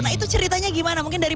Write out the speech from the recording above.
nah itu ceritanya gimana mungkin dari